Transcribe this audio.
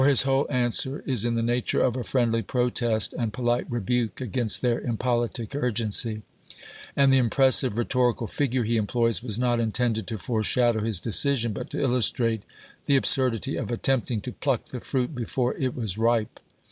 for Ms whole answer is in the nature of a friendly protest and polite rebuke against their impolitic lu'gency; and the impressive rhetorical figure he employs was not intended to foreshadow his deci sion, but to illustrate the absurdity of attempting to pluck the fruit before it was ripe.